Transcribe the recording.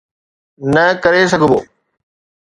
نه ڪري سگهيو.